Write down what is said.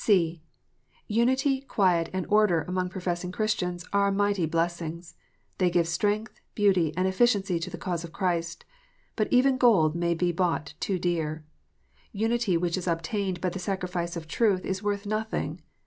(c) Unity, quiet, and wder among professing Christians are mighty blessings. They give strength, beauty, and efficiency to the cause of Christ. But even gold may be bought too dear. Unity which is obtained by the sacrifice of truth is worth nothing.